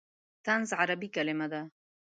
طنز عربي کلمه ده.